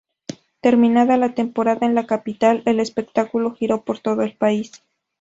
Terminada la temporada en la capital, el espectáculo giró por todo el país.